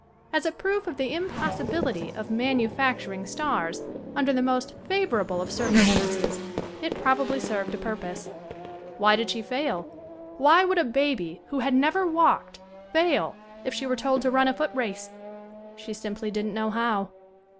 As a proof of the impossibility of "manufacturing" stars under the most favor able of circumstances it probably served a pur pose. Why did she fail ? Why would a baby, who had never walked, fail if she were told to run a foot race ? She simply didn't know how.